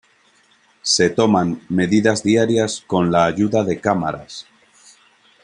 Se toman medidas diarias con la ayuda de cámaras.